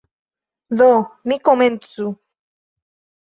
Do, mi komencu!